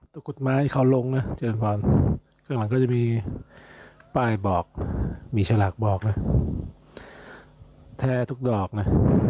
ตัวกุฎไม้เขาลงนะเจอร์ฟอร์นข้างหลังก็จะมีป้ายบอกมีฉลากบอกนะแท้ทุกดอกนะ